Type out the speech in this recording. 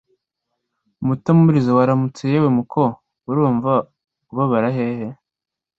Mutamuriza: Waramutse yewe muko? Urumva ubabara hehe?